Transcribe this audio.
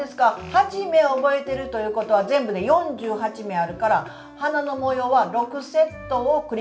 ８目を覚えてるということは全部で４８目あるから花の模様は６セットを繰り返せばいいんですね。